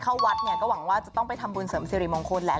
เข้าวัดเนี่ยก็หวังว่าจะต้องไปทำบุญเสริมสิริมงคลแหละ